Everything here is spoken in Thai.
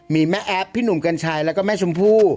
มีแม่แอฟพี่หนุ่มกัญชัยแล้วก็แม่ชมพู่